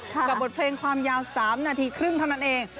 กับบทเพลงความยาว๓นาทีครึ่งเท่านั้นเอง